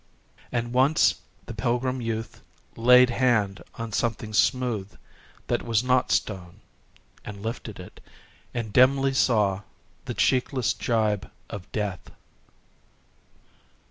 And once the pilgrim youth laid hand on a something smooth that was not stone,—and lifted it,—and dimly saw the cheekless gibe of death.